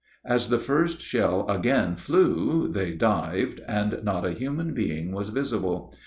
As the first shell again flew they dived, and not a human being was visible.